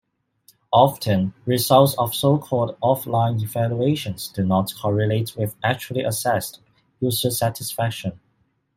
Often, results of so-called offline evaluations do not correlate with actually assessed user-satisfaction.